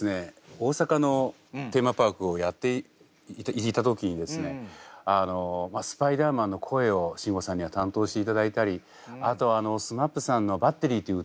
大阪のテーマパークをやっていた時にですねあのスパイダーマンの声をしんごさんには担当していただいたりあとはＳＭＡＰさんの「Ｂａｔｔｅｒｙ」という歌をですね